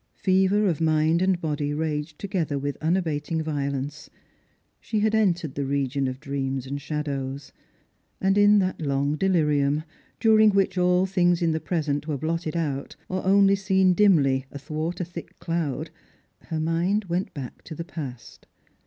Fever of mind and body raged together with unabating violence. She had entered the region of dreams and shadows ; and in that long delirium, during which all things in the present were blotted out, or only seen dimly athwart a thick cloud, her mind went back to the past.